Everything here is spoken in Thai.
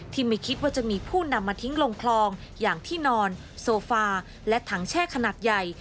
ไม่คิดว่าจะมีผู้นำมาทิ้งลงคลองอย่างที่นอนโซฟาและถังแช่ขนาดใหญ่